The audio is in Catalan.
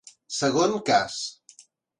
Segon cas.